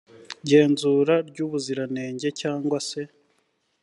genzura ry ubuziranenge cyangwa se